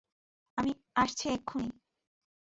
আমি আসছি এক্ষুণি।